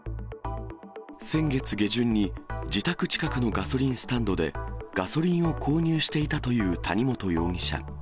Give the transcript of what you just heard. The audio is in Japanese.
先月下旬に自宅近くのガソリンスタンドで、ガソリンを購入していたという谷本容疑者。